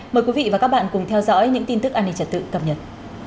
mời quý vị và các bạn cùng theo dõi những tin tức an ninh trật tự cập nhật